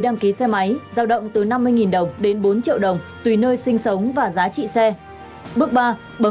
đăng ký xe máy giao động từ năm mươi đồng đến bốn triệu đồng tùy nơi sinh sống và giá trị xe bước ba bấm